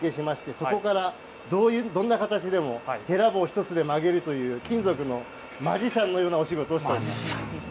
そこからどんな形でもへら棒１つで曲げるという金属のマジシャンのようなお仕事をしています。